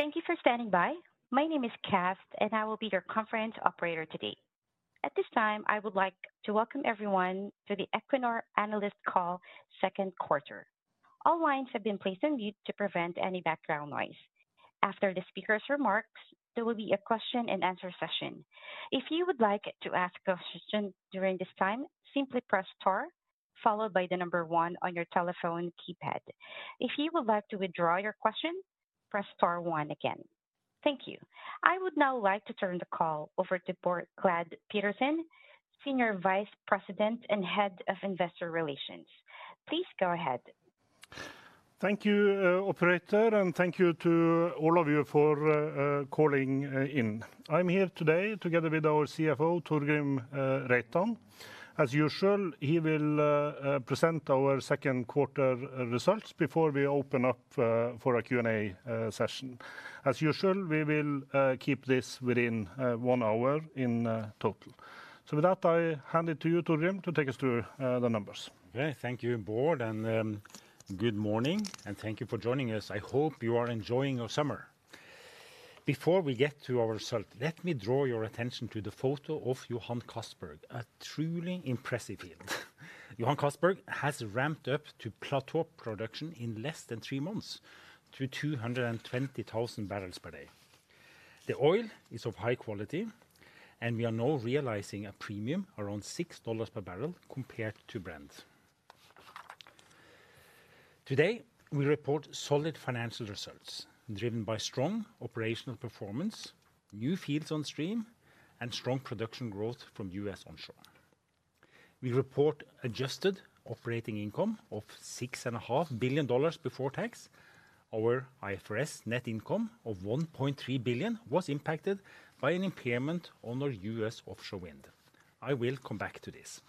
Thank you for standing by. My name is Kat, and I will be your conference operator today. At this time, I would like to welcome everyone to the Equinor Analyst Call Second Quarter. All lines have been placed on mute to prevent any background noise. After the speaker's remarks, there will be a question-and-answer session. If you would like to ask a question during this time, simply press star, followed by the number one on your telephone keypad. If you would like to withdraw your question, press star one again. Thank you. I would now like to turn the call over to Bård Glad Pedersen, Senior Vice President and Head of Investor Relations. Please go ahead. Thank you, Operator, and thank you to all of you for calling in. I'm here today together with our CFO, Torgrim Reitan. As usual, he will present our second quarter results before we open up for a Q&A session. As usual, we will keep this within one hour in total. With that, I hand it to you, Torgrim, to take us through the numbers. Okay, thank you, Bård. Good morning, and thank you for joining us. I hope you are enjoying your summer. Before we get to our result, let me draw your attention to the photo of Johan Castberg, a truly impressive hit. Johan Castberg has ramped up to plateau production in less than three months, to 220,000 barrels per day. The oil is of high quality, and we are now realizing a premium around $6 per barrel compared to Brent. Today, we report solid financial results, driven by strong operational performance, new fields on stream, and strong production growth from U.S. onshore. We report adjusted operating income of $6.5 billion before tax. Our IFRS net income of $1.3 billion was impacted by an impairment on our U.S. offshore wind. I will come back to this.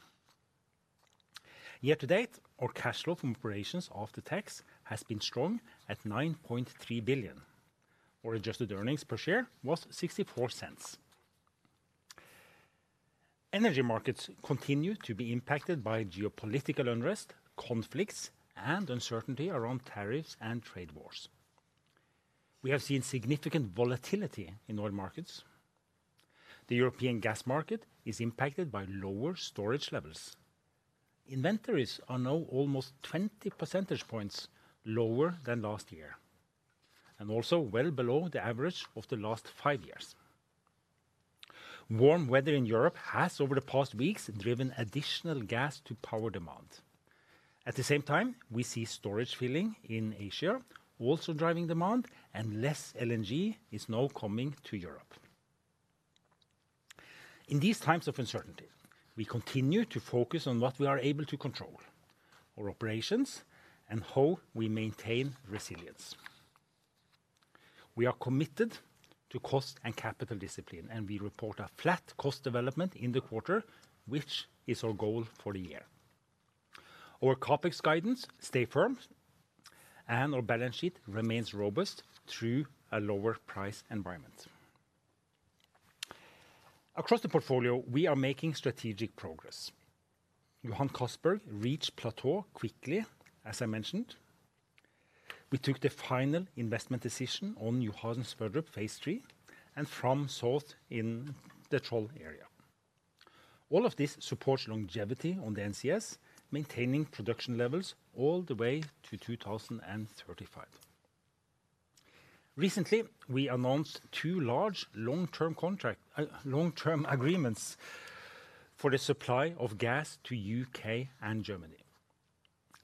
Year-to-date, our cash flow from operations after tax has been strong at $9.3 billion, our adjusted earnings per share was $0.64. Energy markets continue to be impacted by geopolitical unrest, conflicts, and uncertainty around tariffs and trade wars. We have seen significant volatility in oil markets. The European gas market is impacted by lower storage levels. Inventories are now almost 20 percentage points lower than last year, and also well below the average of the last five years. Warm weather in Europe has, over the past weeks, driven additional gas-to-power demand. At the same time, we see storage filling in Asia also driving demand, and less LNG is now coming to Europe. In these times of uncertainty, we continue to focus on what we are able to control, our operations, and how we maintain resilience. We are committed to cost and capital discipline, and we report a flat cost development in the quarter, which is our goal for the year. Our CapEx guidance stays firm, and our balance sheet remains robust through a lower price environment. Across the portfolio, we are making strategic progress. Johan Castberg reached plateau quickly, as I mentioned. We took the final investment decision on Johan Sverdrup Phase III and Fram South in the Troll area. All of this supports longevity on the NCS, maintaining production levels all the way to 2035. Recently, we announced two large long-term agreements for the supply of gas to the U.K. and Germany.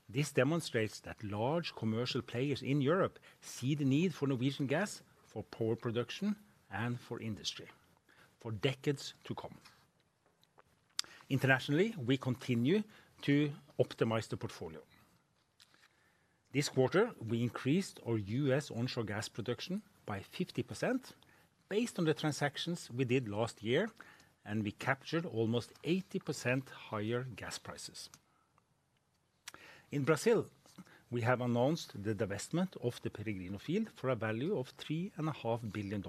This demonstrates that large commercial players in Europe see the need for Norwegian gas for power production and for industry for decades to come. Internationally, we continue to optimize the portfolio. This quarter, we increased our U.S. onshore gas production by 50% based on the transactions we did last year, and we captured almost 80% higher gas prices. In Brazil, we have announced the divestment of the Peregrino field for a value of $3.5 billion,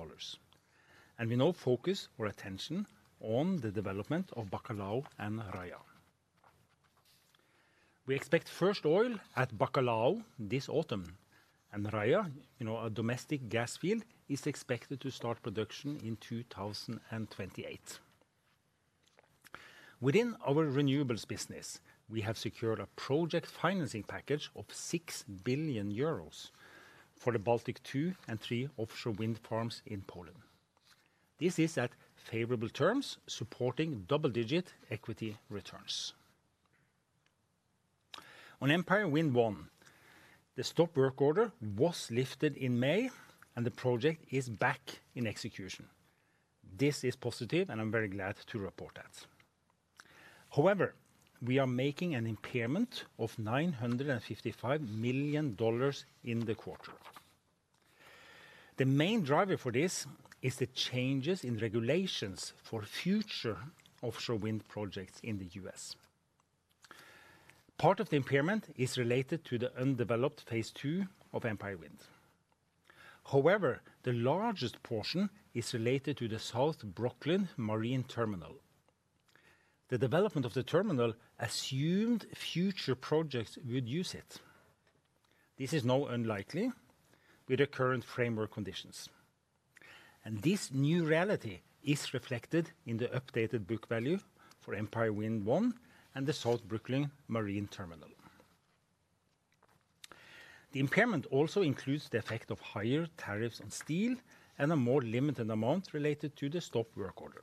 and we now focus our attention on the development of Bacalhau and Raia. We expect first oil at Bacalhau this autumn, and Raia, a domestic gas field, is expected to start production in 2028. Within our renewables business, we have secured a project financing package of 6 billion euros for the Baltic 2 and 3 offshore wind farms in Poland. This is at favorable terms, supporting double-digit equity returns. On Empire Wind 1, the stop work order was lifted in May, and the project is back in execution. This is positive, and I'm very glad to report that. However, we are making an impairment of $955 million in the quarter. The main driver for this is the changes in regulations for future offshore wind projects in the U.S. Part of the impairment is related to the undeveloped phase 2 of Empire Wind. However, the largest portion is related to the South Brooklyn Marine Terminal. The development of the terminal assumed future projects would use it. This is now unlikely with the current framework conditions. This new reality is reflected in the updated book value for Empire Wind 1 and the South Brooklyn Marine Terminal. The impairment also includes the effect of higher tariffs on steel and a more limited amount related to the stop work order.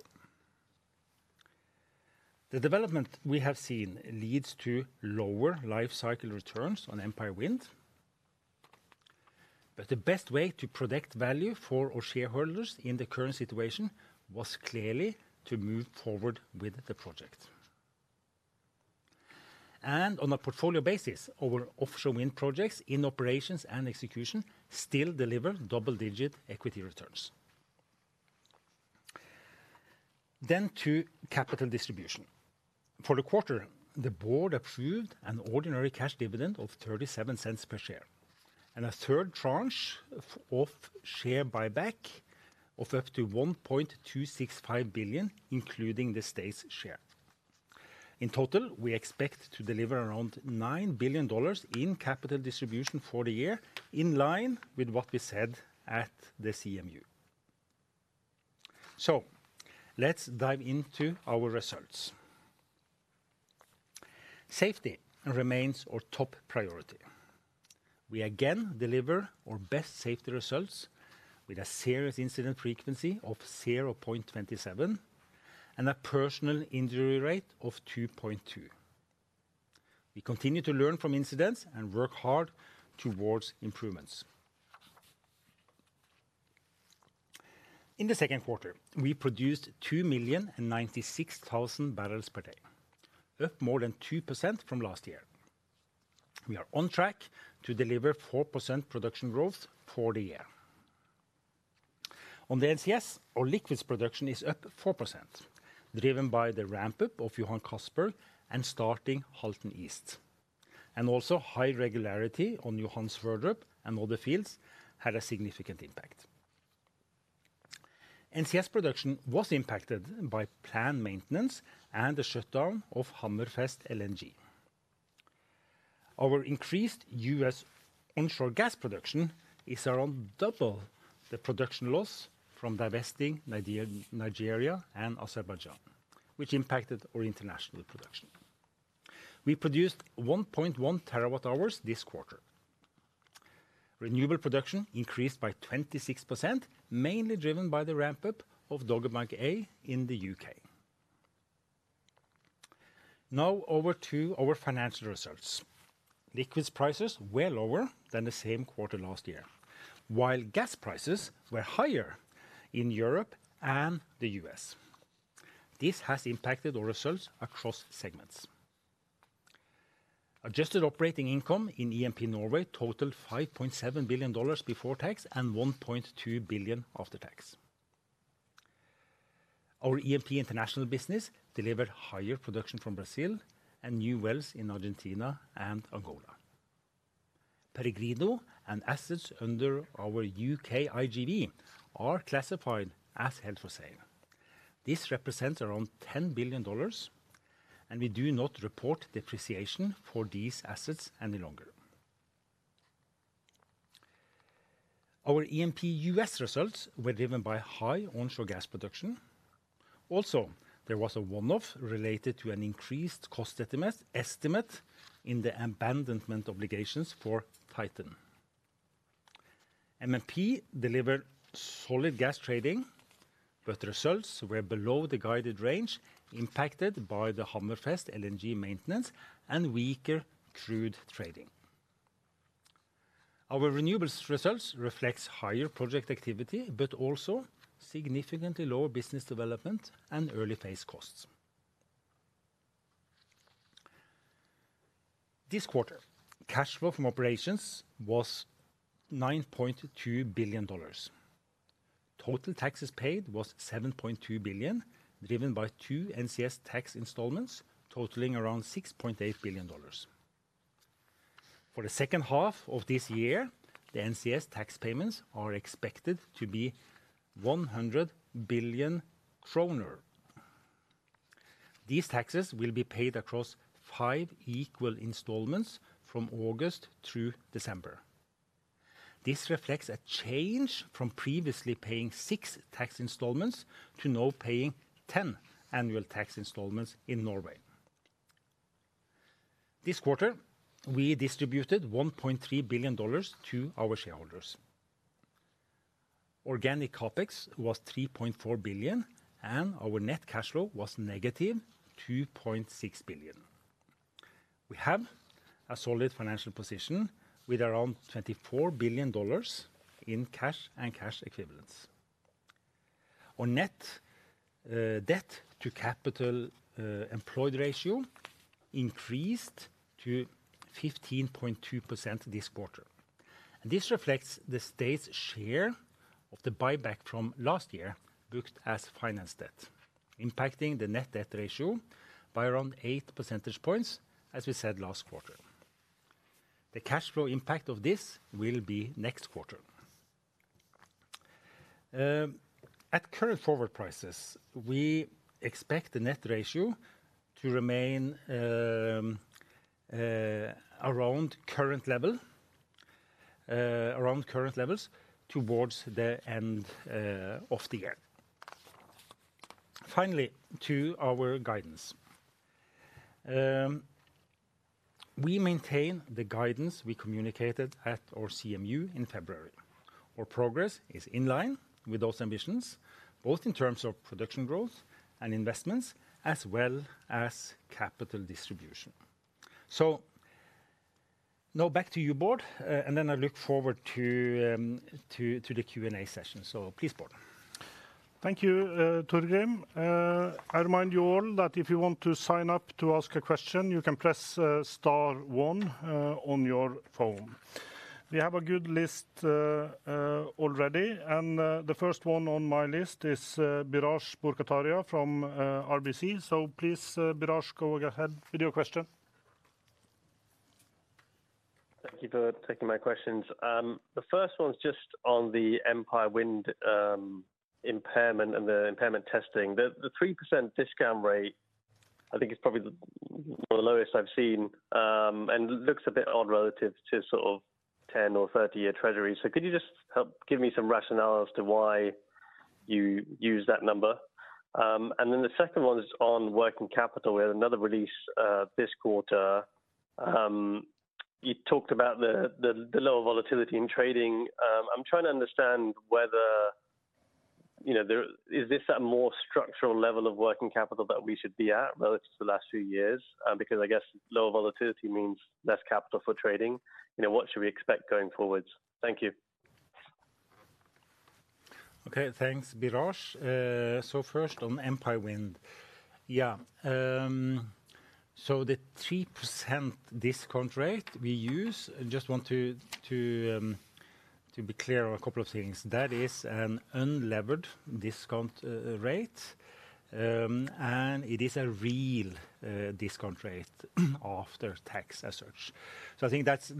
The development we have seen leads to lower life cycle returns on Empire Wind. The best way to protect value for our shareholders in the current situation was clearly to move forward with the project. On a portfolio basis, our offshore wind projects in operations and execution still deliver double-digit equity returns. For capital distribution, for the quarter, the board approved an ordinary cash dividend of $0.37 per share and a third tranche of share buyback of up to $1.265 billion, including the state's share. In total, we expect to deliver around $9 billion in capital distribution for the year, in line with what we said at the CMU. Let's dive into our results. Safety remains our top priority. We again deliver our best safety results with a serious incident frequency of 0.27 and a personal injury rate of 2.2. We continue to learn from incidents and work hard towards improvements. In the second quarter, we produced 2,096,000 barrels per day, up more than 2% from last year. We are on track to deliver 4% production growth for the year. On the NCS, our liquids production is up 4%, driven by the ramp-up of Johan Castberg and starting Halten East. Also, high regularity on Johan Sverdrup and other fields had a significant impact. NCS production was impacted by planned maintenance and the shutdown of Hammerfest LNG. Our increased U.S. onshore gas production is around double the production loss from divesting Nigeria and Azerbaijan, which impacted our international production. We produced 1.1 terawatt hours this quarter. Renewable production increased by 26%, mainly driven by the ramp-up of Dogger Bank A in the U.K. Now over to our financial results. Liquids prices were lower than the same quarter last year, while gas prices were higher in Europe and the U.S. This has impacted our results across segments. Adjusted operating income in EMP Norway totaled $5.7 billion before tax and $1.2 billion after tax. Our EMP International business delivered higher production from Brazil and new wells in Argentina and Angola. Peregrino and assets under our U.K. IGV are classified as held for sale. This represents around $10 billion. We do not report depreciation for these assets any longer. Our EMP U.S. results were driven by high onshore gas production. Also, there was a one-off related to an increased cost estimate in the abandonment obligations for Titan. MMP delivered solid gas trading, but results were below the guided range impacted by the Hammerfest LNG maintenance and weaker crude trading. Our renewables results reflect higher project activity, but also significantly lower business development and early phase costs. This quarter, cash flow from operations was $9.2 billion. Total taxes paid was $7.2 billion, driven by two NCS tax installments totaling around $6.8 billion. For the second half of this year, the NCS tax payments are expected to be 100 billion kroner. These taxes will be paid across five equal installments from August through December. This reflects a change from previously paying six tax installments to now paying 10 annual tax installments in Norway. This quarter, we distributed $1.3 billion to our shareholders. Organic CapEx was $3.4 billion, and our net cash flow was negative $2.6 billion. We have a solid financial position with around $24 billion in cash and cash equivalents. Our net debt-to-capital employed ratio increased to 15.2% this quarter. This reflects the state's share of the buyback from last year booked as finance debt, impacting the net debt ratio by around 8 percentage points, as we said last quarter. The cash flow impact of this will be next quarter. At current forward prices, we expect the net ratio to remain around current levels towards the end of the year. Finally, to our guidance. We maintain the guidance we communicated at our CMU in February. Our progress is in line with those ambitions, both in terms of production growth and investments, as well as capital distribution. Now back to you, Bård, and then I look forward to the Q&A session. Please, Bård. Thank you, Torgrim. I remind you all that if you want to sign up to ask a question, you can press star one on your phone. We have a good list already, and the first one on my list is Biraj Borkhataria from RBC. Please, Biraj, go ahead with your question. Thank you for taking my questions. The first one's just on the Empire Wind impairment and the impairment testing. The 3% discount rate, I think, is probably one of the lowest I've seen and looks a bit odd relative to sort of 10- or 30-year Treasuries. Could you just help give me some rationale as to why you use that number? The second one is on working capital. We had another release this quarter. You talked about the lower volatility in trading. I'm trying to understand whether. Is this a more structural level of working capital that we should be at relative to the last few years? Because I guess lower volatility means less capital for trading. What should we expect going forward? Thank you. Okay, thanks, Biraj. So first on Empire Wind. Yeah. So the 3% discount rate we use, I just want to. Be clear on a couple of things. That is an unlevered discount rate. And it is a real discount rate after tax asserts. So I think that's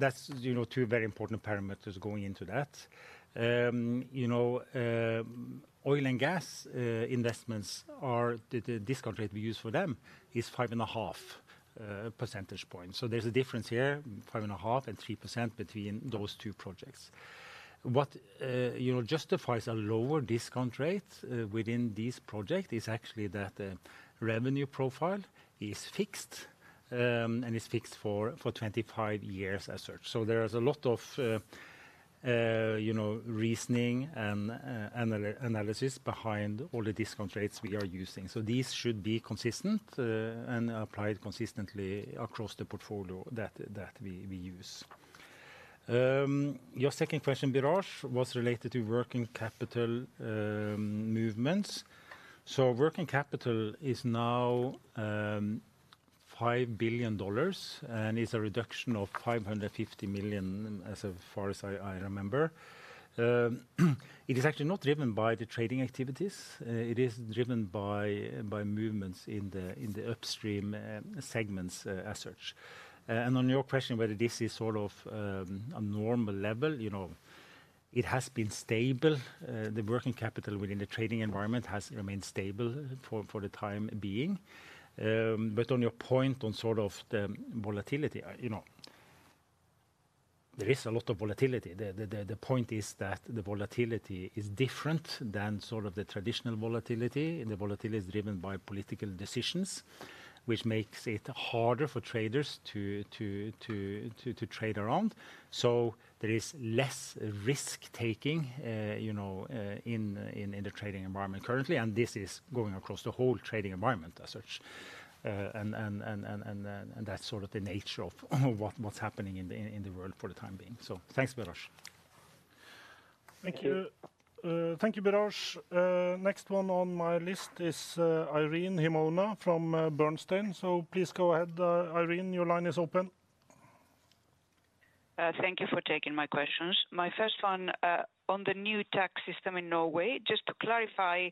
two very important parameters going into that. Oil and gas investments, the discount rate we use for them is 5.5 percentage points. So there's a difference here, 5.5 and 3% between those two projects. What justifies a lower discount rate within these projects is actually that the revenue profile is fixed. And is fixed for 25 years asserts. So there is a lot of reasoning and analysis behind all the discount rates we are using. So these should be consistent and applied consistently across the portfolio that we use. Your second question, Biraj, was related to working capital movements. So working capital is now. $5 billion and is a reduction of $550 million as far as I remember. It is actually not driven by the trading activities. It is driven by movements in the upstream segments asserts. And on your question whether this is sort of.A normal level, it has been stable. The working capital within the trading environment has remained stable for the time being. But on your point on sort of the volatility, there is a lot of volatility. The point is that the volatility is different than sort of the traditional volatility. The volatility is driven by political decisions, which makes it harder for traders to. Trade around. So there is less risk-taking. In the trading environment currently, and this is going across the whole trading environment asserts. And that's sort of the nature of what's happening in the world for the time being. So thanks, Biraj. Thank you. Thank you, Biraj. Next one on my list is Irene Himona from Bernstein. So please go ahead, Irene. Your line is open. Thank you for taking my questions. My first one on the new tax system in Norway. Just to clarify,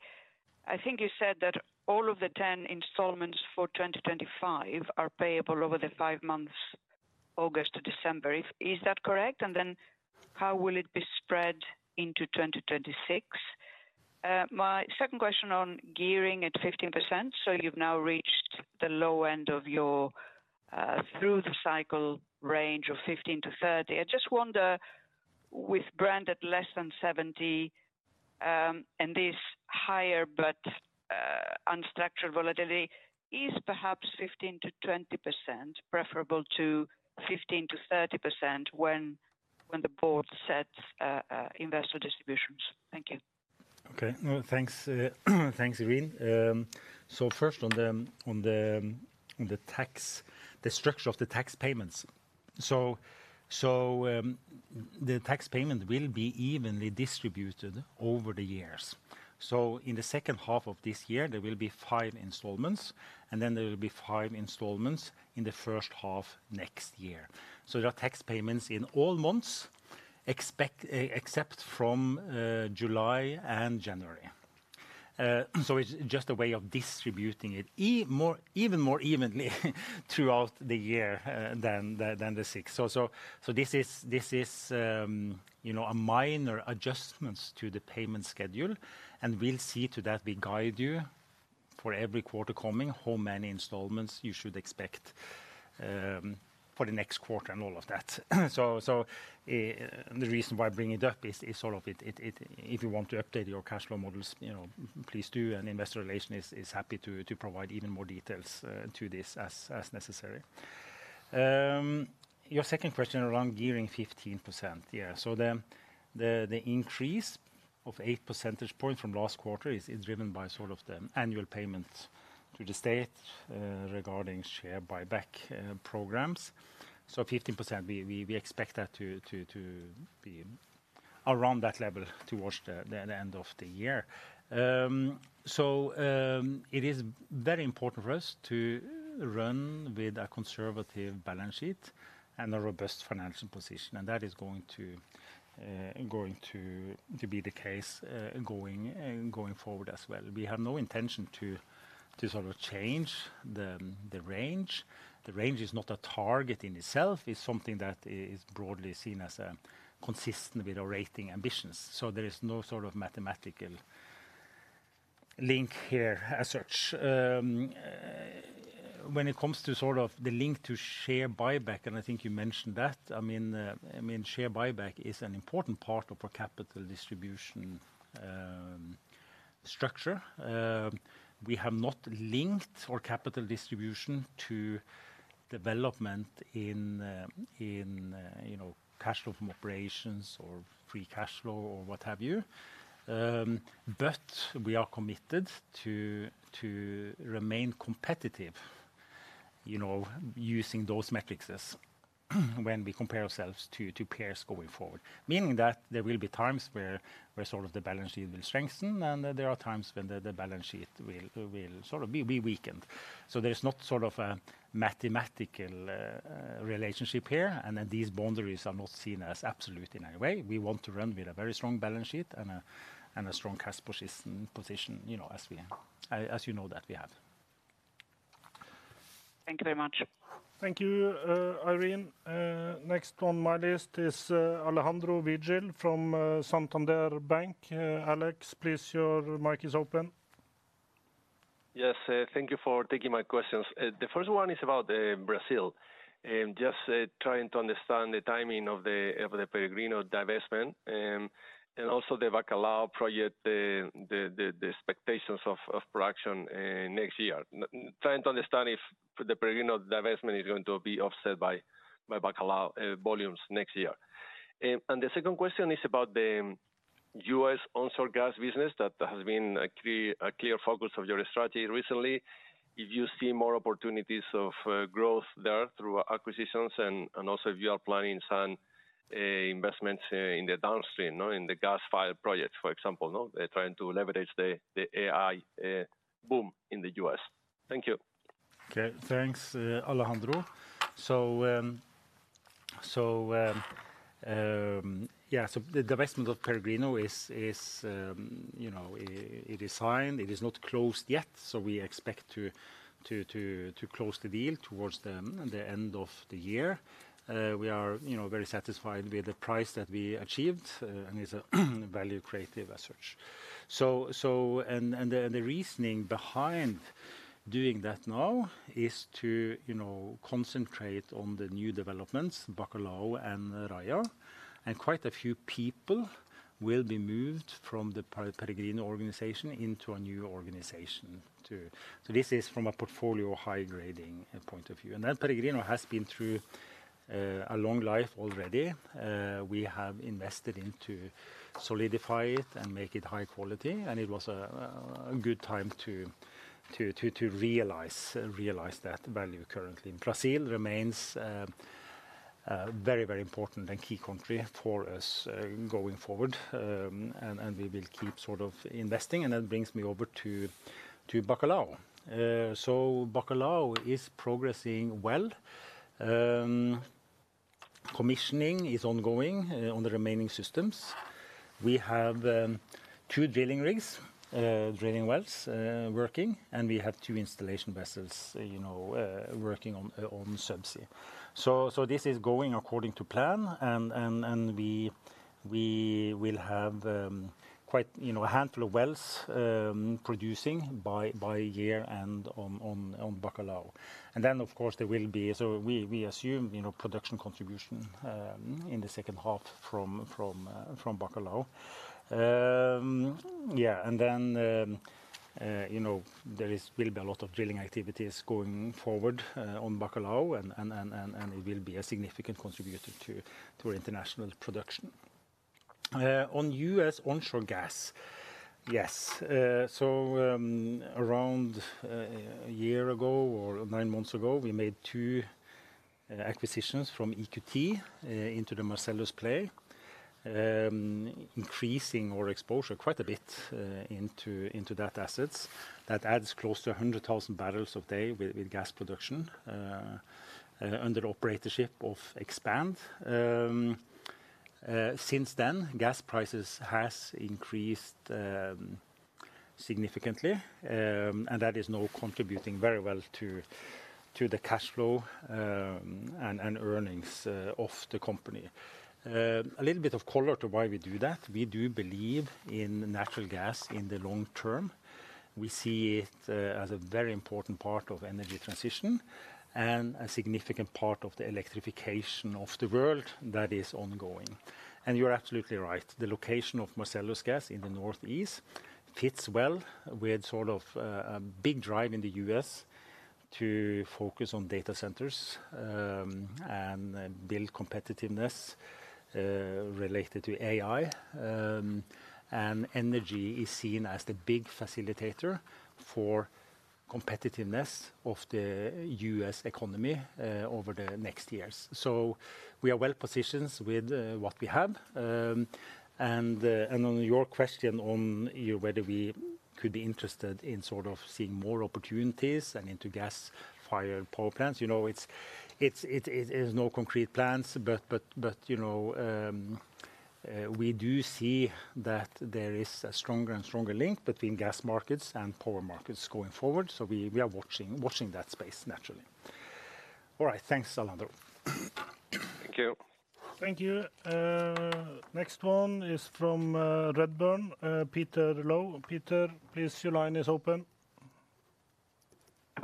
I think you said that all of the 10 installments for 2025 are payable over the five months, August to December. Is that correct? And then how will it be spread into 2026? My second question on gearing at 15%. So you've now reached the low end of your. Through-the-cycle range of 15%-30%. I just wonder, with Brent at less than 70%. And this higher but. Unstructured volatility, is perhaps 15%-20% preferable to 15%-30% when the board sets investor distributions? Thank you. Okay, thanks, Irene. So first, on the tax, the structure of the tax payments. So the tax payment will be evenly distributed over the years. In the second half of this year, there will be five installments, and then there will be five installments in the first half next year. There are tax payments in all months except for July and January. It is just a way of distributing it even more evenly throughout the year than the six. This is a minor adjustment to the payment schedule, and we will see to that. We guide you for every quarter coming how many installments you should expect for the next quarter and all of that. The reason why I bring it up is sort of if you want to update your cash flow models, please do. Investor Relations is happy to provide even more details to this as necessary. Your second question around gearing 15%. The increase of 8% points from last quarter is driven by the annual payments to the state regarding share buyback programs. 15%, we expect that to be around that level towards the end of the year. It is very important for us to run with a conservative balance sheet and a robust financial position. That is going to be the case going forward as well. We have no intention to change the range. The range is not a target in itself. It is something that is broadly seen as consistent with our rating ambitions. There is no mathematical link here as such. When it comes to the link to share buyback, and I think you mentioned that, I mean, share buyback is an important part of our capital distribution structure. We have not linked our capital distribution to development in cash flow from operations or free cash flow or what have you. We are committed to remain competitive using those metrics when we compare ourselves to peers going forward. Meaning that there will be times where the balance sheet will strengthen, and there are times when the balance sheet will be weakened. There is not a mathematical relationship here, and these boundaries are not seen as absolute in any way. We want to run with a very strong balance sheet and a strong cash position, as you know that we have. Thank you very much. Thank you, Irene. Next on my list is Alejandro Vigil from Santander Bank. Alex, please, your mic is open. Yes, thank you for taking my questions. The first one is about Brazil. Just trying to understand the timing of the Peregrino divestment and also the Bacalhau project, the expectations of production next year. Trying to understand if the Peregrino divestment is going to be offset by Bacalhau volumes next year. The second question is about the U.S. onshore gas business that has been a clear focus of your strategy recently. If you see more opportunities of growth there through acquisitions and also if you are planning some investments in the downstream, in the gas fire projects, for example, trying to leverage the AI boom in the U.S. Thank you. Okay, thanks, Alejandro. Yeah, so the divestment of Peregrino is signed. It is not closed yet. We expect to close the deal towards the end of the year. We are very satisfied with the price that we achieved and it is a value-creative asset. The reasoning behind doing that now is to concentrate on the new developments, Bacalhau and Raia. Quite a few people will be moved from the Peregrino organization into a new organization. This is from a portfolio high-grading point of view. Peregrino has been through a long life already. We have invested into solidify it and make it high quality. It was a good time to realize that value currently. Brazil remains a very, very important and key country for us going forward. We will keep sort of investing. That brings me over to Bacalhau. Bacalhau is progressing well. Commissioning is ongoing on the remaining systems. We have two drilling rigs, drilling wells working, and we have two installation vessels working on subsea. This is going according to plan, and we will have quite a handful of wells producing by year end on Bacalhau. Of course, there will be, so we assume, production contribution in the second half from Bacalhau. There will be a lot of drilling activities going forward on Bacalhau, and it will be a significant contributor to our international production. On U.S. onshore gas, yes. Around a year ago or nine months ago, we made two acquisitions from EQT into the Marcellus play, increasing our exposure quite a bit into that asset. That adds close to 100,000 barrels a day with gas production under the operatorship of Expand. Since then, gas prices have increased significantly, and that is now contributing very well to the cash flow and earnings of the company. A little bit of color to why we do that. We do believe in natural gas in the long term. We see it as a very important part of energy transition and a significant part of the electrification of the world that is ongoing. You are absolutely right. The location of Marcellus gas in the Northeast fits well with sort of a big drive in the U.S. to focus on data centers and build competitiveness related to AI. Energy is seen as the big facilitator for competitiveness of the U.S. economy over the next years. We are well positioned with what we have. On your question on whether we could be interested in sort of seeing more opportunities and into gas fire power plants, it is no concrete plans, but. We do see that there is a stronger and stronger link between gas markets and power markets going forward. We are watching that space, naturally. All right, thanks, Alejandro. Thank you. Thank you. Next one is from Redburn, Peter Low. Peter, please, your line is open.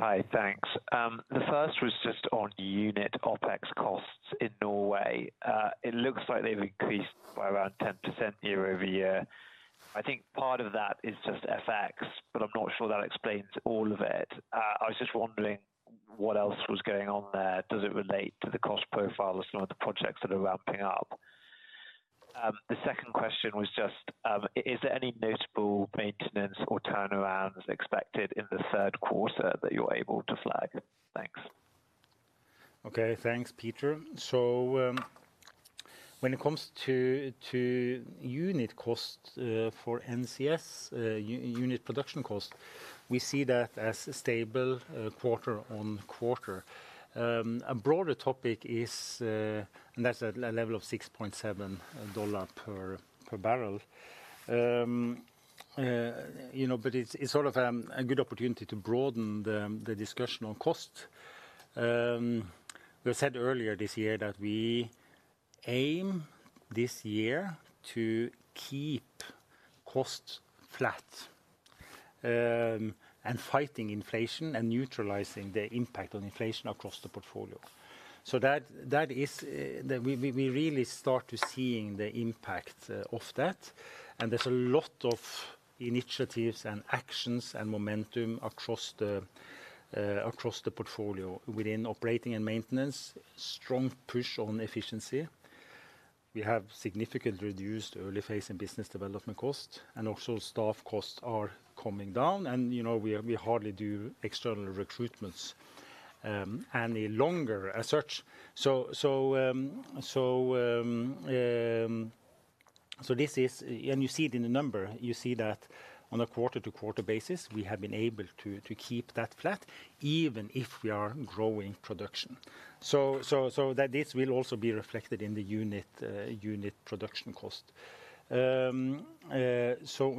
Hi, thanks. The first was just on unit OpEx costs in Norway. It looks like they've increased by around 10% year over year. I think part of that is just FX, but I'm not sure that explains all of it. I was just wondering what else was going on there. Does it relate to the cost profile of some of the projects that are ramping up? The second question was just, is there any notable maintenance or turnarounds expected in the third quarter that you're able to flag? Thanks. Okay, thanks, Peter. When it comes to unit cost for NCS, unit production cost, we see that as stable quarter on quarter. A broader topic is, and that's a level of $6.7 per barrel. It's sort of a good opportunity to broaden the discussion on cost. We said earlier this year that we aim this year to keep costs flat and fighting inflation and neutralizing the impact on inflation across the portfolio. That is, we really start to see the impact of that. There's a lot of initiatives and actions and momentum across the portfolio within operating and maintenance, strong push on efficiency. We have significantly reduced early phase and business development costs, and also staff costs are coming down. We hardly do external recruitments any longer as such. This is, and you see it in the number, you see that on a quarter-to-quarter basis, we have been able to keep that flat even if we are growing production. That will also be reflected in the unit production cost. When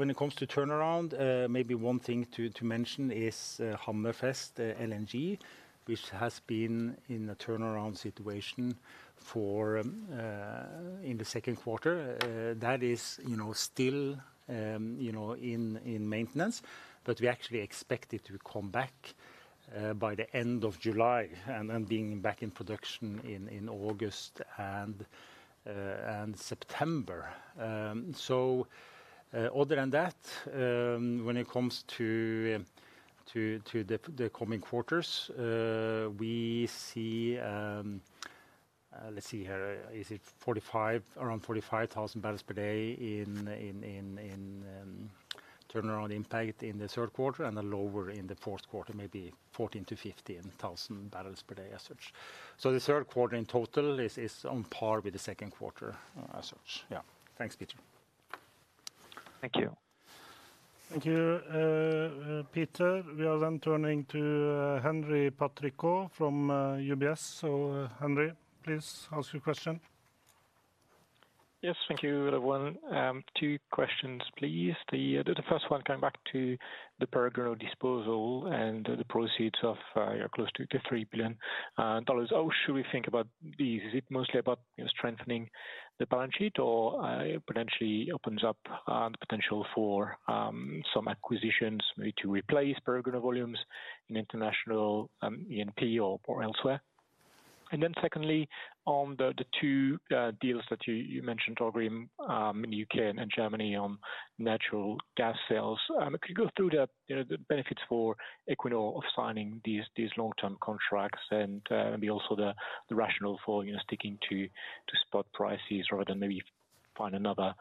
it comes to turnaround, maybe one thing to mention is Hammerfest LNG, which has been in a turnaround situation in the second quarter. That is still in maintenance, but we actually expect it to come back by the end of July and being back in production in August and September. Other than that, when it comes to the coming quarters, we see, let's see here, is it around 45,000 barrels per day in turnaround impact in the third quarter and lower in the fourth quarter, maybe 14,000-15,000 barrels per day as such. The third quarter in total is on par with the second quarter as such. Yeah, thanks, Peter. Thank you. Thank you. Peter, we are then turning to Henri Patricot from UBS. Henri, please ask your question. Yes, thank you, everyone. Two questions, please. The first one coming back to the Peregrino disposal and the proceeds of close to $3 billion. How should we think about these? Is it mostly about strengthening the balance sheet or potentially opens up the potential for some acquisitions to replace Peregrino volumes in international E&P or elsewhere? Secondly, on the two deals that you mentioned, Augrim, in the U.K. and Germany on natural gas sales, could you go through the benefits for Equinor of signing these long-term contracts and maybe also the rationale for sticking to spot prices rather than maybe find another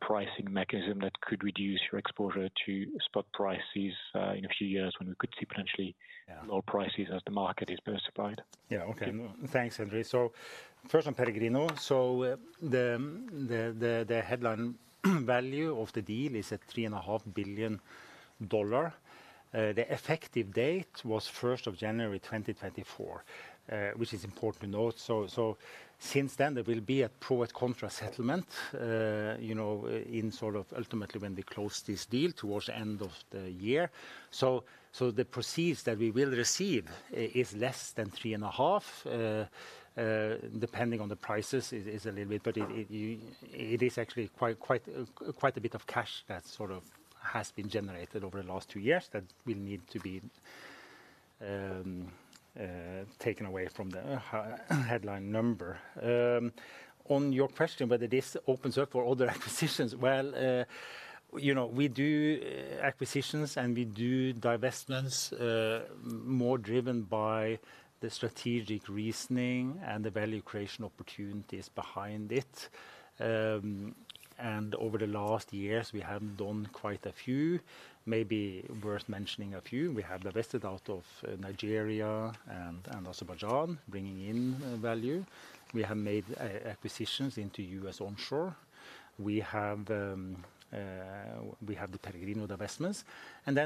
pricing mechanism that could reduce your exposure to spot prices in a few years when we could see potentially lower prices as the market is diversified? Yeah, okay. Thanks, Henri. First on Peregrino. The headline value of the deal is at $3.5 billion. The effective date was 1st of January 2024, which is important to note. Since then, there will be a pro and contra settlement, ultimately when we close this deal towards the end of the year. The proceeds that we will receive is less than $3.5 billion, depending on the prices a little bit, but it is actually quite a bit of cash that has been generated over the last two years that will need to be taken away from the headline number. On your question whether this opens up for other acquisitions, we do acquisitions and we do divestments, more driven by the strategic reasoning and the value creation opportunities behind it. Over the last years, we have done quite a few, maybe worth mentioning a few. We have divested out of Nigeria and Azerbaijan, bringing in value. We have made acquisitions into U.S. onshore. We have the Peregrino divestments.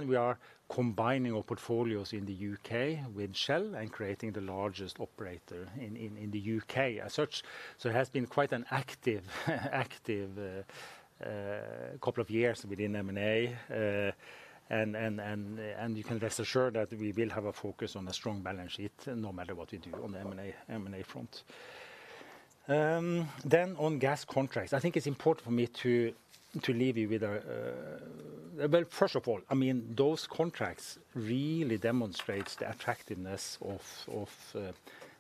We are combining our portfolios in the U.K. with Shell and creating the largest operator in the U.K. as such. It has been quite an active couple of years within M&A. You can rest assured that we will have a focus on a strong balance sheet no matter what we do on the M&A front. On gas contracts, I think it is important for me to leave you with a—first of all, I mean, those contracts really demonstrate the attractiveness of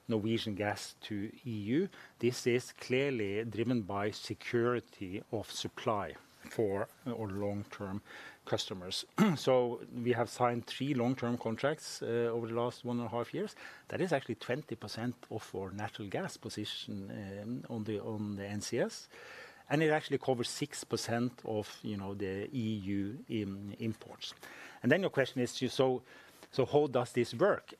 Norwegian gas to the E.U. This is clearly driven by security of supply for our long-term customers. We have signed three long-term contracts over the last one and a half years. That is actually 20% of our natural gas position on the NCS. It actually covers 6% of the E.U. imports. Your question is, how does this work?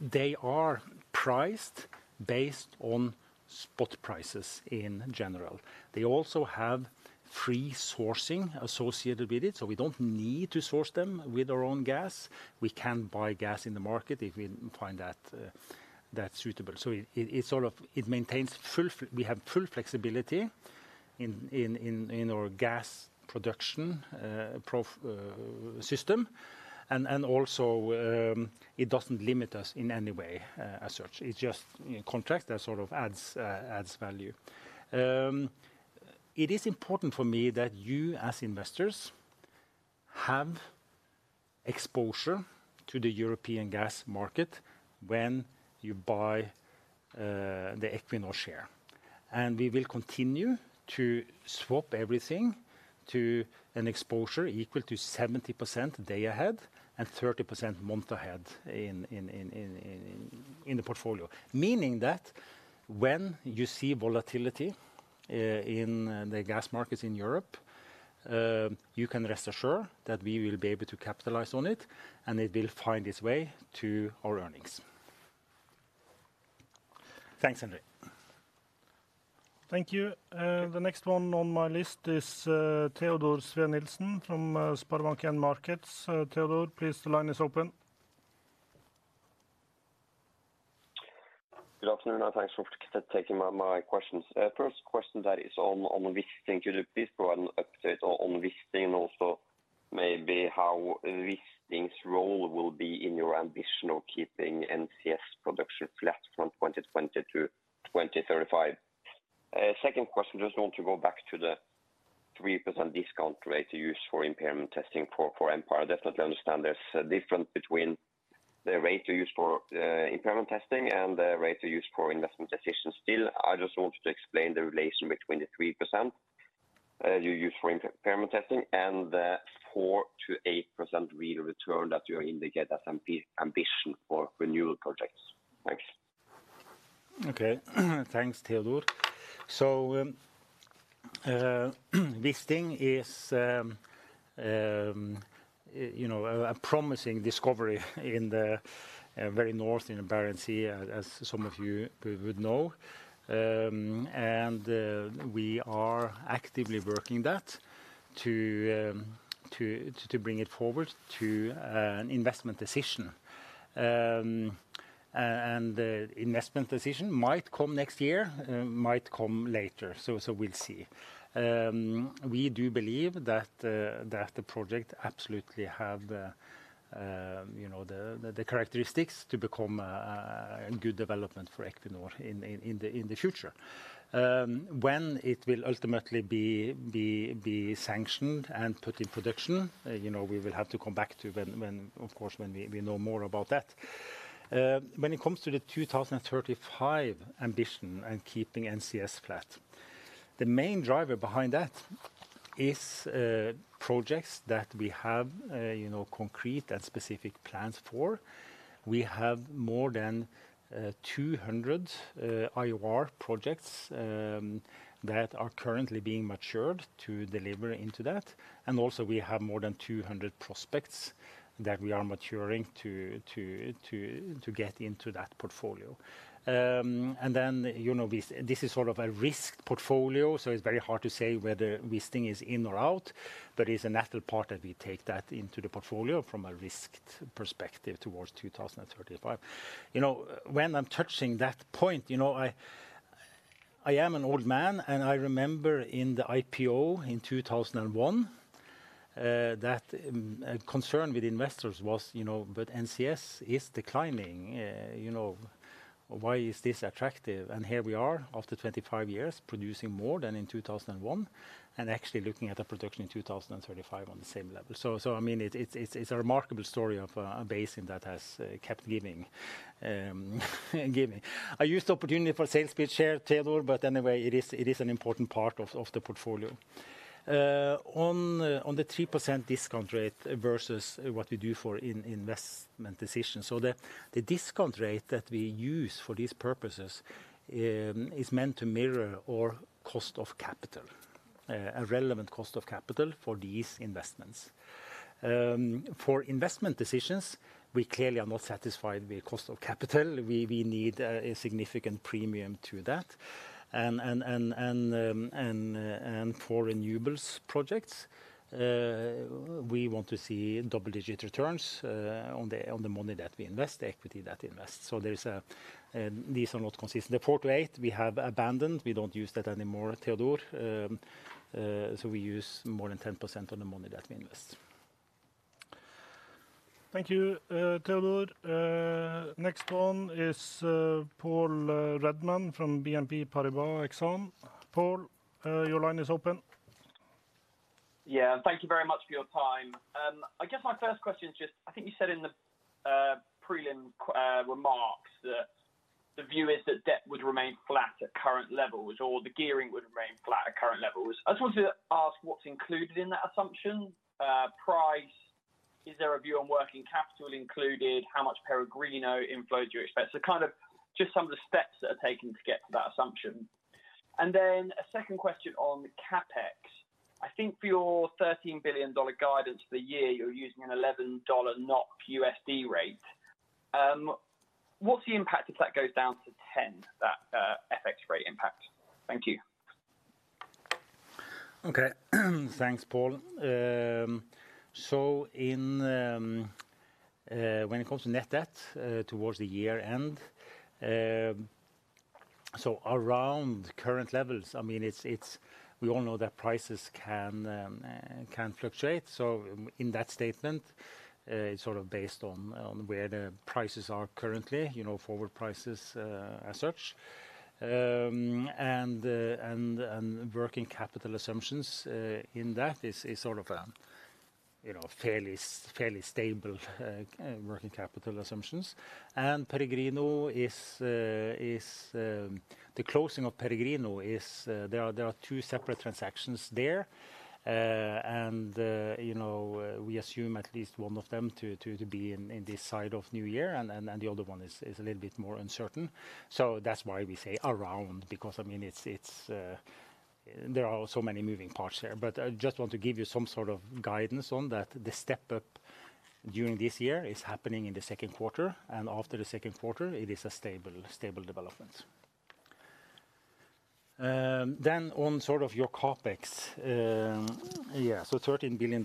They are priced based on spot prices in general. They also have free sourcing associated with it, so we do not need to source them with our own gas. We can buy gas in the market if we find that suitable. It maintains full, we have full flexibility in our gas production system. It does not limit us in any way as such. It is just contracts that add value. It is important for me that you as investors have exposure to the European gas market when you buy the Equinor share. We will continue to swap everything to an exposure equal to 70% day ahead and 30% month ahead in the portfolio. Meaning that when you see volatility in the gas markets in Europe, you can rest assured that we will be able to capitalize on it and it will find its way to our earnings. Thanks, Henri. Thank you. The next one on my list is Teodor Sveen-Nielsen from SpareBank 1 Markets. Teodor, please, the line is open. Good afternoon. Thanks for taking my questions. First question that is on Wisting, could be for an update on Wisting and also maybe how Wisting's role will be in your ambition of keeping NCS production flat from 2020 to 2035. Second question, just want to go back to the 3% discount rate used for impairment testing for Empire. Definitely understand there's a difference between the rate used for impairment testing and the rate used for investment decisions. Still, I just wanted you to explain the relation between the 3% you use for impairment testing and the 4%-8% real return that you indicate as ambition for renewables projects. Thanks. Okay, thanks, Teodor. Wisting is a promising discovery in the very north in the Barents Sea, as some of you would know. We are actively working that to bring it forward to an investment decision, and the investment decision might come next year, might come later. We will see. We do believe that the project absolutely has the characteristics to become a good development for Equinor in the future. When it will ultimately be sanctioned and put in production, we will have to come back to, of course, when we know more about that. When it comes to the 2035 ambition and keeping NCS flat, the main driver behind that is projects that we have concrete and specific plans for. We have more than 200 IOR projects that are currently being matured to deliver into that, and also we have more than 200 prospects that we are maturing to get into that portfolio. This is sort of a risked portfolio, so it's very hard to say whether Wisting is in or out, but it's a natural part that we take that into the portfolio from a risked perspective towards 2035. When I'm touching that point, I am an old man, and I remember in the IPO in 2001 that concern with investors was, but NCS is declining. Why is this attractive? Here we are after 25 years producing more than in 2001 and actually looking at the production in 2035 on the same level. I mean, it's a remarkable story of a basin that has kept giving. I used the opportunity for sales pitch here, Teodor, but anyway, it is an important part of the portfolio. On the 3% discount rate versus what we do for investment decisions. The discount rate that we use for these purposes is meant to mirror our cost of capital, a relevant cost of capital for these investments. For investment decisions, we clearly are not satisfied with cost of capital. We need a significant premium to that. For renewables projects, we want to see double-digit returns on the money that we invest, the equity that we invest. These are not consistent. The port rate, we have abandoned. We do not use that anymore, Teodor. We use more than 10% of the money that we invest. Thank you, Teodor. Next one is Paul Redman from BNP Paribas Exane. Paul, your line is open. Yeah, thank you very much for your time. I guess my first question is just, I think you said in the prelim remarks that the view is that debt would remain flat at current levels or the gearing would remain flat at current levels. I just wanted to ask what is included in that assumption. Price, is there a view on working capital included, how much Peregrino inflows you expect? Some of the steps that are taken to get to that assumption. And then a second question on CapEx. I think for your $13 billion guidance for the year, you are using an 11 NOK USD rate. What is the impact if that goes down to 10, that FX rate impact? Thank you. Okay, thanks, Paul. When it comes to net debt towards the year-end, around current levels, I mean, we all know that prices can fluctuate. In that statement, it is sort of based on where the prices are currently, forward prices as such. Working capital assumptions in that is sort of a fairly stable working capital assumption. The closing of Peregrino, there are two separate transactions there. We assume at least one of them to be in this side of New Year, and the other one is a little bit more uncertain. That is why we say around, because there are so many moving parts there. I just want to give you some sort of guidance on that the step up during this year is happening in the second quarter, and after the second quarter, it is a stable development. On your CapEx, $13 billion,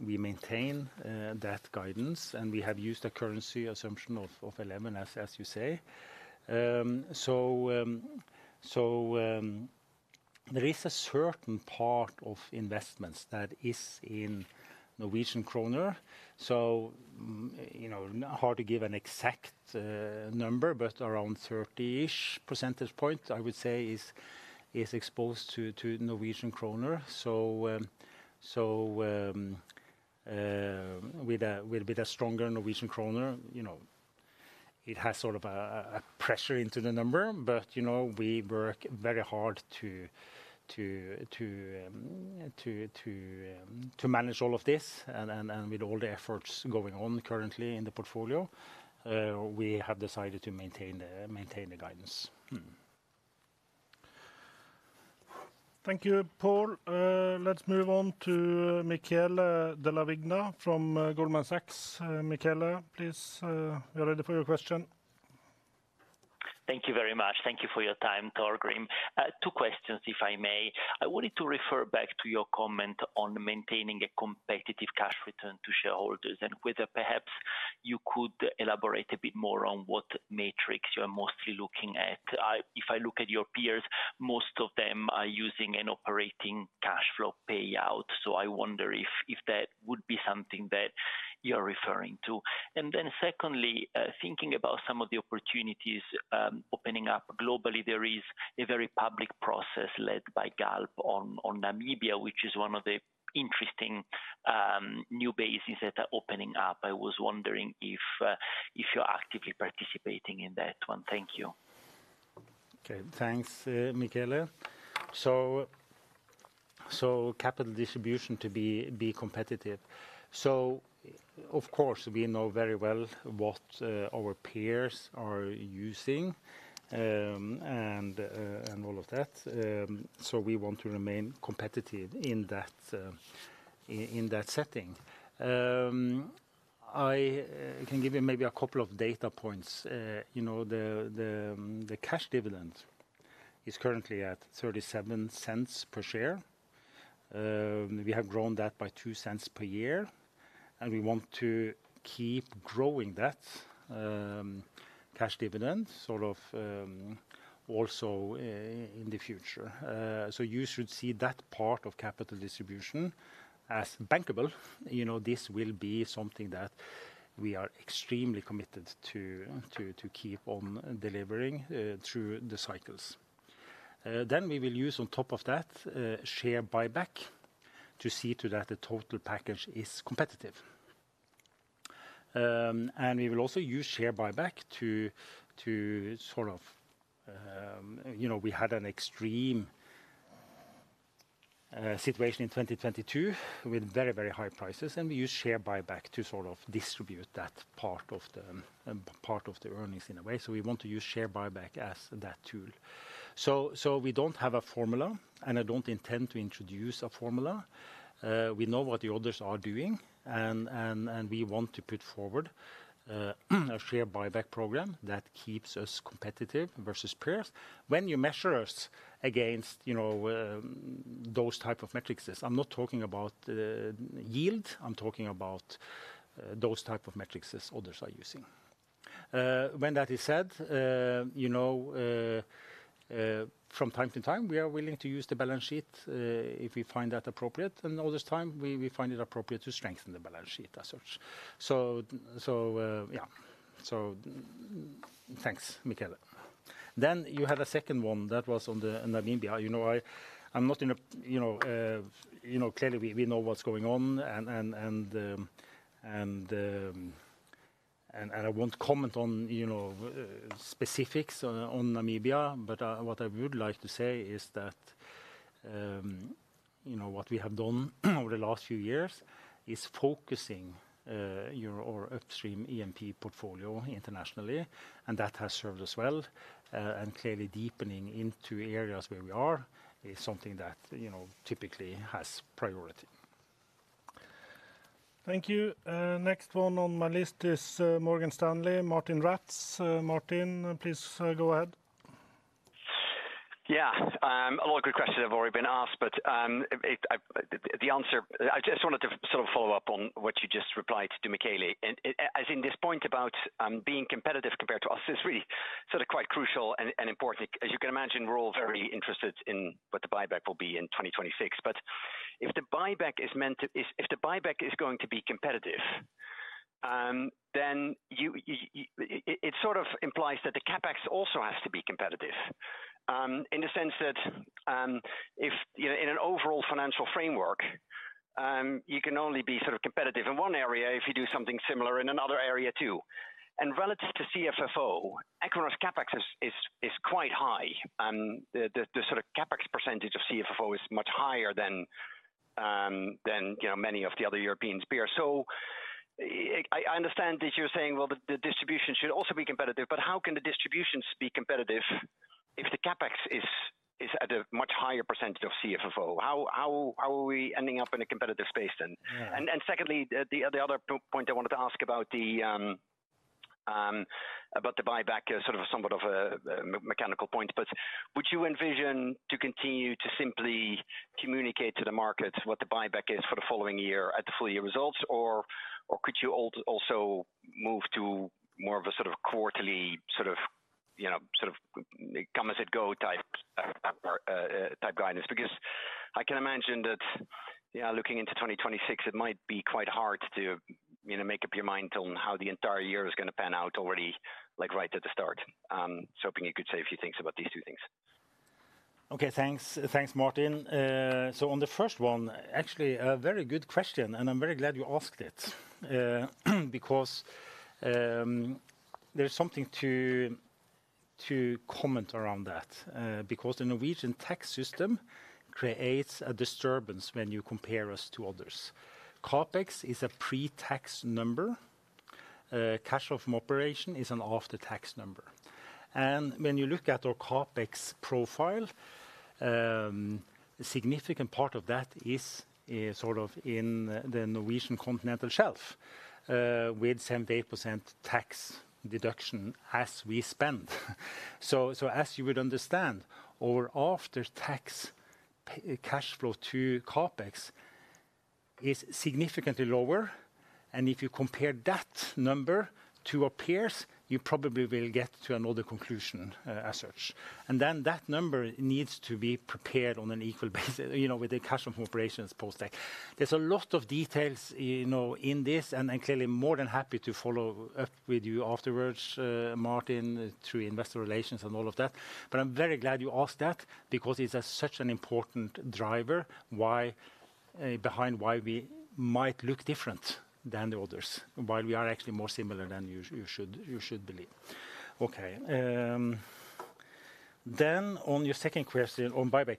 we maintain that guidance, and we have used a currency assumption of 11, as you say. There is a certain part of investments that is in Norwegian kroner. Hard to give an exact number, but around 30-ish percentage points, I would say, is exposed to Norwegian kroner. With a stronger Norwegian kroner, it has sort of a pressure into the number, but we work very hard to manage all of this. With all the efforts going on currently in the portfolio, we have decided to maintain the guidance. Thank you, Paul. Let's move on to Michele Della Vigna from Goldman Sachs. Michele, please, you're ready for your question. Thank you very much. Thank you for your time, Torgrim. Two questions, if I may. I wanted to refer back to your comment on maintaining a competitive cash return to shareholders and whether perhaps you could elaborate a bit more on what metrics you are mostly looking at. If I look at your peers, most of them are using an operating cash flow payout. I wonder if that would be something that you're referring to. Secondly, thinking about some of the opportunities opening up globally, there is a very public process led by GALP Energia on Namibia, which is one of the interesting new bases that are opening up. I was wondering if you're actively participating in that one. Thank you. Okay, thanks, Michele. So capital distribution to be competitive. Of course, we know very well what our peers are using and all of that. We want to remain competitive in that setting. I can give you maybe a couple of data points. The cash dividend is currently at $0.37 per share. We have grown that by $0.02 per year, and we want to keep growing that cash dividend, sort of, also in the future. You should see that part of capital distribution as bankable. This will be something that we are extremely committed to keep on delivering through the cycles. We will use, on top of that, share buyback to see to that the total package is competitive. We will also use share buyback to, sort of, we had an extreme situation in 2022 with very, very high prices, and we use share buyback to sort of distribute that part of the earnings in a way. We want to use share buyback as that tool. We do not have a formula, and I do not intend to introduce a formula. We know what the others are doing, and we want to put forward a share buyback program that keeps us competitive versus peers. When you measure us against those types of metrics, I am not talking about yield, I am talking about those types of metrics others are using. When that is said, from time to time, we are willing to use the balance sheet if we find that appropriate, and other times we find it appropriate to strengthen the balance sheet as such. Thanks, Michele. Then you had a second one that was on Namibia. I am not in a, clearly, we know what's going on. I will not comment on specifics on Namibia, but what I would like to say is that what we have done over the last few years is focusing our upstream EMP portfolio internationally, and that has served us well. Clearly, deepening into areas where we are is something that typically has priority. Thank you. Next one on my list is Morgan Stanley, Martijn Rats. Martijn, please go ahead. Yeah, a lot of good questions have already been asked, but the answer, I just wanted to sort of follow up on what you just replied to Michele as in this point about being competitive compared to us is really sort of quite crucial and important. As you can imagine, we're all very interested in what the buyback will be in 2026. If the buyback is meant to, if the buyback is going to be competitive, then it sort of implies that the CapEx also has to be competitive. In the sense that, in an overall financial framework, you can only be sort of competitive in one area if you do something similar in another area too. Relative to CFFO, Equinor's CapEx is quite high. The sort of CapEx percentage of CFFO is much higher than many of the other European peers. I understand that you're saying, well, the distribution should also be competitive, but how can the distributions be competitive if the CapEx is at a much higher percentage of CFFO? How are we ending up in a competitive space then? Secondly, the other point I wanted to ask about, the buyback is sort of somewhat of a mechanical point, but would you envision to continue to simply communicate to the markets what the buyback is for the following year at the full year results, or could you also move to more of a sort of quarterly sort of come as it go type guidance? Because I can imagine that looking into 2026, it might be quite hard to make up your mind on how the entire year is going to pan out already right at the start. Hoping you could say a few things about these two things. Okay, thanks. Thanks, Martijn. On the first one, actually a very good question, and I'm very glad you asked it. Because there's something to comment around that, because the Norwegian tax system creates a disturbance when you compare us to others. CapEx is a pre-tax number. Cash flow from operation is an after-tax number. When you look at our CapEx profile, a significant part of that is sort of in the Norwegian continental shelf with 78% tax deduction as we spend. As you would understand, our after-tax cash flow to CapEx is significantly lower. If you compare that number to our peers, you probably will get to another conclusion as such. That number needs to be prepared on an equal basis with the cash flow from operations post-tax. There's a lot of details in this, and I'm clearly more than happy to follow up with you afterwards, Martijn, through investor relations and all of that. I'm very glad you asked that because it's such an important driver behind why we might look different than the others, while we are actually more similar than you should believe. Okay. On your second question on buyback,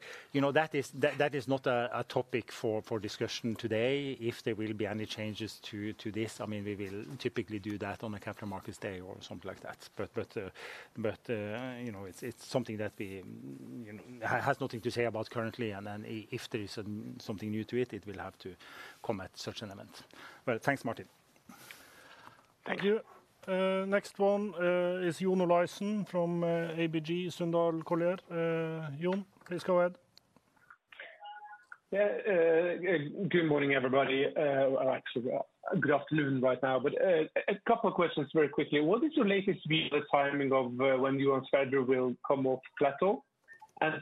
that is not a topic for discussion today. If there will be any changes to this, I mean, we will typically do that on a capital markets day or something like that. It is something that I have nothing to say about currently, and if there is something new to it, it will have to come at such an event. Thank you, Martijn. Thank you. Next one is John Olaisen from ABG Sundal Collier. John, please go ahead. Good morning, everybody. Actually, good afternoon right now, but a couple of questions very quickly. What is your latest view of the timing of when you and Federer will come off plateau?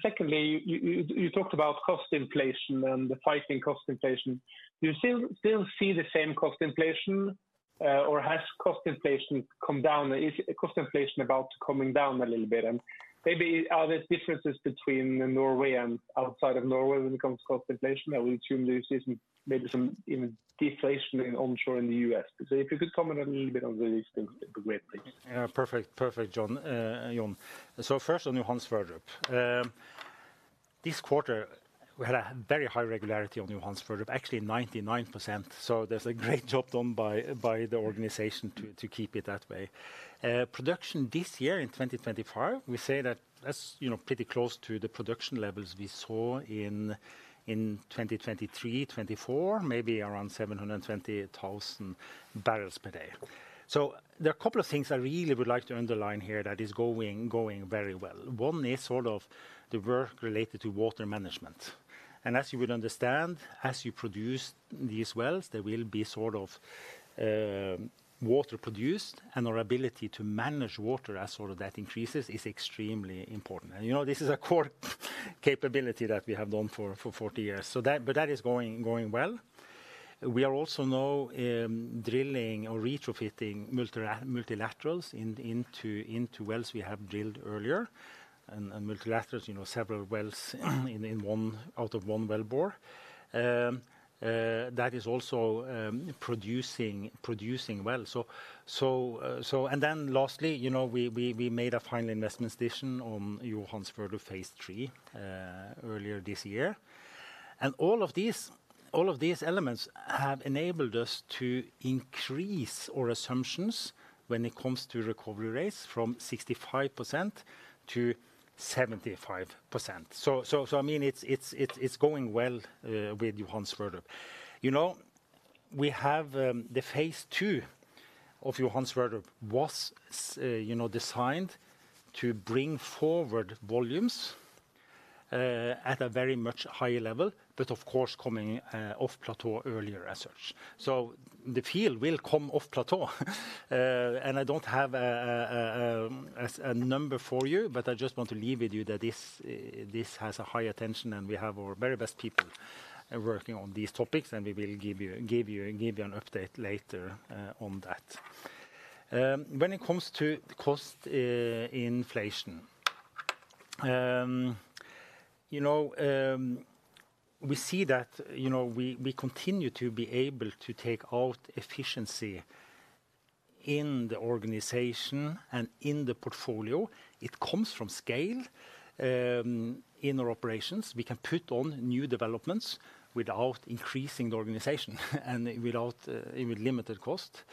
Secondly, you talked about cost inflation and the fighting cost inflation. Do you still see the same cost inflation, or has cost inflation come down? Is cost inflation about coming down a little bit? Maybe are there differences between Norway and outside of Norway when it comes to cost inflation? I would assume there is maybe some even deflation onshore in the U.S. If you could comment a little bit on these things, it would be great, please. Perfect, perfect, John. So first on Johan Sverdrup. This quarter, we had a very high regularity on Johan Sverdrup, actually 99%. There is a great job done by the organization to keep it that way. Production this year in 2025, we say that is pretty close to the production levels we saw in 2023, 2024, maybe around 720,000 barrels per day. There are a couple of things I really would like to underline here that are going very well. One is the work related to water management. As you would understand, as you produce these wells, there will be water produced, and our ability to manage water as that increases is extremely important. This is a core capability that we have done for 40 years. That is going well. We are also now drilling or retrofitting multilaterals into wells we have drilled earlier, and multilaterals, several wells out of one wellbore. That is also producing wells. Lastly, we made a final investment decision on Johan Sverdrup phase three earlier this year. All of these elements have enabled us to increase our assumptions when it comes to recovery rates from 65% to 75%. It is going well with Johan Sverdrup. The phase II of Johan Sverdrup was designed to bring forward volumes at a much higher level, but of course coming off plateau earlier as such. The field will come off plateau. I do not have a number for you, but I just want to leave with you that this has high attention, and we have our very best people working on these topics, and we will give you an update later on that. When it comes to cost inflation, we see that, we continue to be able to take out efficiency in the organization and in the portfolio. It comes from scale in our operations. We can put on new developments without increasing the organization and with limited cost.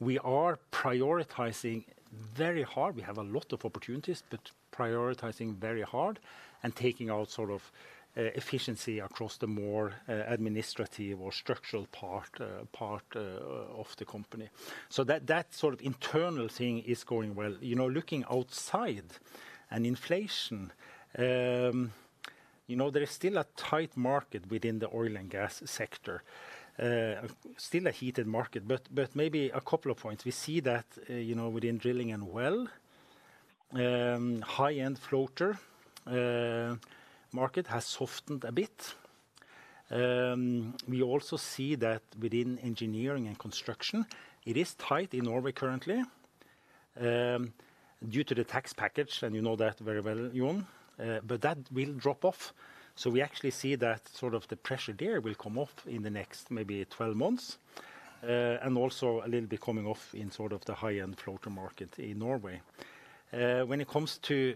We are prioritizing very hard. We have a lot of opportunities, but prioritizing very hard and taking out sort of efficiency across the more administrative or structural part of the company. That sort of internal thing is going well. Looking outside and inflation, there is still a tight market within the oil and gas sector. Still a heated market, but maybe a couple of points. We see that within drilling and well, high-end floater market has softened a bit. We also see that within engineering and construction, it is tight in Norway currently due to the tax package, and you know that very well, John, but that will drop off. We actually see that sort of the pressure there will come off in the next maybe 12 months. Also a little bit coming off in sort of the high-end floater market in Norway. When it comes to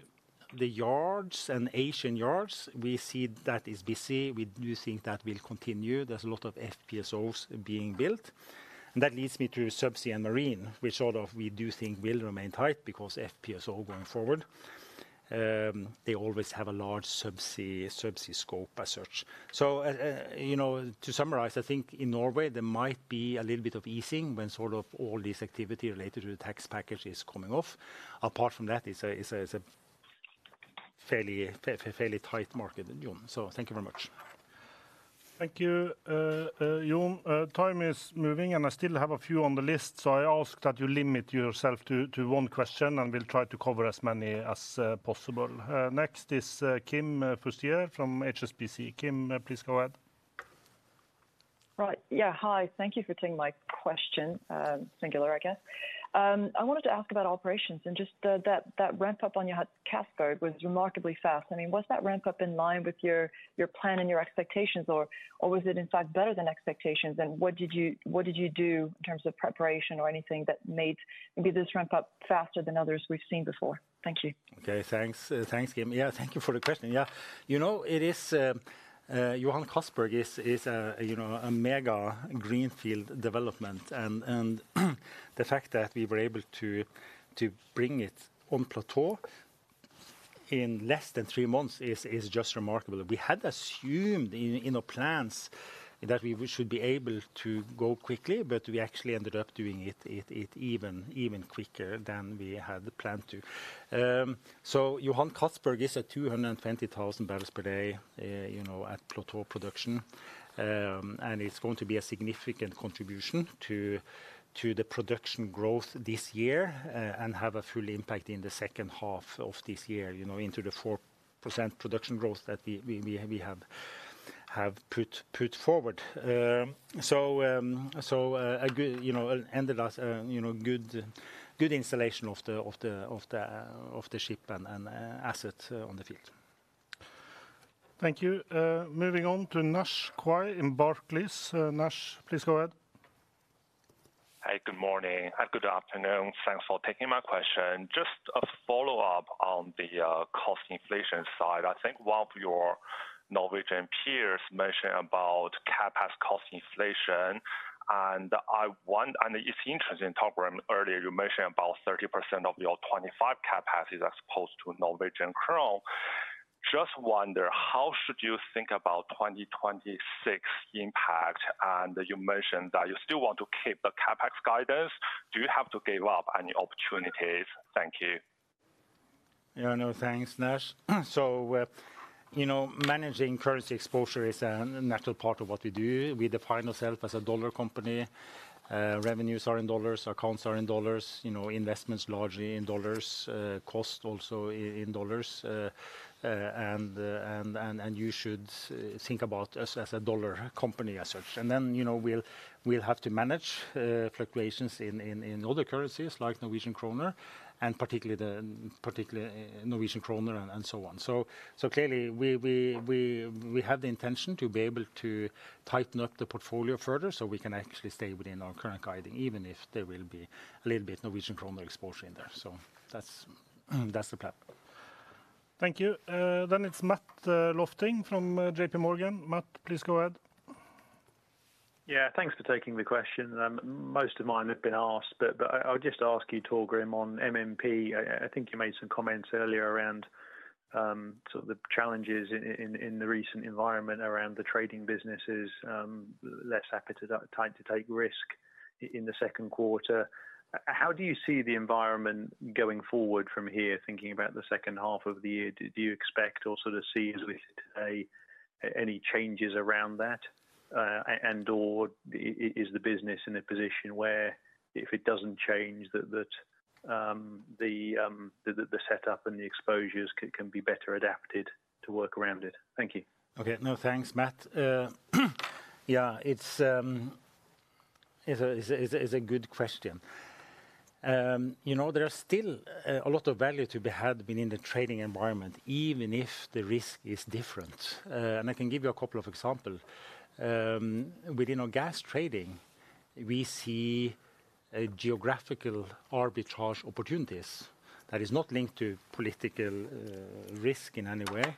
the yards and Asian yards, we see that is busy. We do think that will continue. There is a lot of FPSOs being built. That leads me to subsea and marine, which sort of we do think will remain tight because FPSO going forward. They always have a large subsea scope as such. To summarize, I think in Norway, there might be a little bit of easing when sort of all this activity related to the tax package is coming off. Apart from that, it is a fairly tight market, John. Thank you very much. Thank you. John, time is moving, and I still have a few on the list, so I ask that you limit yourself to one question and we will try to cover as many as possible. Next is Kim Fustier from HSBC. Kim, please go ahead. Right, yeah, hi. Thank you for taking my question singular, I guess. I wanted to ask about operations, and just that ramp-up on your Castberg was remarkably fast. I mean, was that ramp-up in line with your plan and your expectations, or was it in fact better than expectations? What did you do in terms of preparation or anything that made maybe this ramp-up faster than others we have seen before? Thank you. Okay, thanks. Thanks, Kim. Yeah, thank you for the question. Yeah. It is. Johan Castberg is a mega greenfield development, and the fact that we were able to bring it on plateau in less than three months is just remarkable. We had assumed in our plans that we should be able to go quickly, but we actually ended up doing it even quicker than we had planned to. Johan Castberg is at 220,000 barrels per day at plateau production, and it is going to be a significant contribution to. The production growth this year and have a full impact in the second half of this year into the 4% production growth that we have put forward. Ended as a good installation of the ship and asset on the field. Thank you. Moving on to Naish Cui in Barclays. Naish, please go ahead. Hey, good morning. Good afternoon. Thanks for taking my question. Just a follow-up on the cost inflation side. I think one of your Norwegian peers mentioned about CapEx cost inflation, and it's interesting talking earlier you mentioned about 30% of your 2025 CapEx is as opposed to Norwegian krone. Just wonder, how should you think about 2026 impact? You mentioned that you still want to keep the CapEx guidance. Do you have to give up any opportunities? Thank you. Yeah, no, thanks, Naish. Managing currency exposure is a natural part of what we do. We define ourselves as a dollar company. Revenues are in dollars, accounts are in dollars, investments largely in dollars, cost also in dollars. You should think about us as a dollar company as such. We will have to manage fluctuations in other currencies like Norwegian kroner, and particularly Norwegian krone and so on. Clearly, we have the intention to be able to tighten up the portfolio further so we can actually stay within our current guiding, even if there will be a little bit of Norwegian kroner exposure in there. So that's the plan. Thank you. Then it's Matt Lofting from JP Morgan. Matt, please go ahead. Yeah, thanks for taking the question. Most of mine have been asked, but I'll just ask you, Torgrim, on MMP. I think you made some comments earlier around the challenges in the recent environment around the trading businesses. Less appetite to take risk in the second quarter. How do you see the environment going forward from here, thinking about the second half of the year? Do you expect or sort of see as we sit today any changes around that, and/or is the business in a position where if it doesn't change that the setup and the exposures can be better adapted to work around it? Thank you. Okay, no, thanks, Matt. Yeah, it's a good question. There's still a lot of value to be had within the trading environment, even if the risk is different. I can give you a couple of examples. Within our gas trading, we see geographical arbitrage opportunities that are not linked to political risk in any way.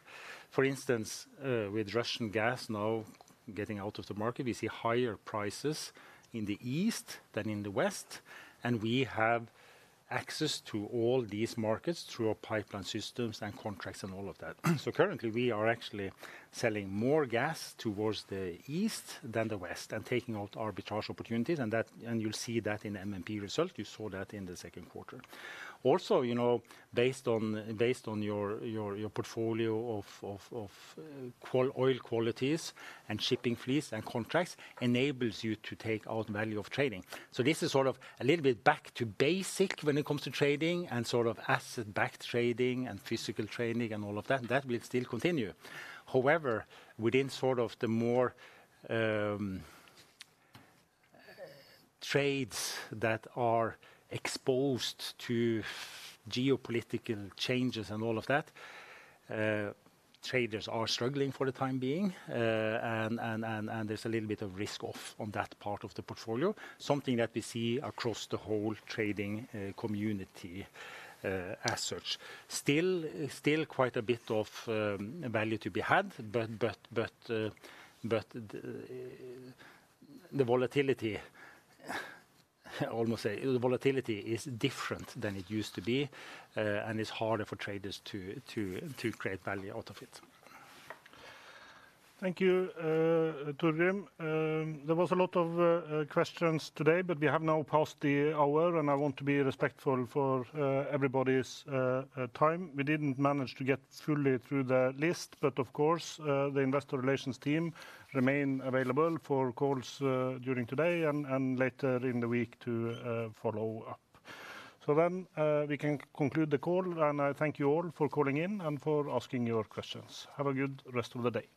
For instance, with Russian gas now getting out of the market, we see higher prices in the east than in the west, and we have access to all these markets through our pipeline systems and contracts and all of that. Currently, we are actually selling more gas towards the east than the west and taking out arbitrage opportunities, and you'll see that in the MMP result. You saw that in the second quarter. Also, based on your portfolio of oil qualities and shipping fleets and contracts, enables you to take out value of trading. This is sort of a little bit back to basic when it comes to trading and sort of asset-backed trading and physical trading and all of that. That will still continue. However, within sort of the more trades that are exposed to geopolitical changes and all of that, traders are struggling for the time being, and there is a little bit of risk off on that part of the portfolio, something that we see across the whole trading community. As such, still quite a bit of value to be had, but the volatility almost is different than it used to be, and it is harder for traders to create value out of it. Thank you, Torgrim. There was a lot of questions today, but we have now passed the hour, and I want to be respectful for everybody's time. We did not manage to get fully through the list, but of course, the investor relations team remains available for calls during today and later in the week to follow-up. We can conclude the call, and I thank you all for calling in and for asking your questions. Have a good rest of the day.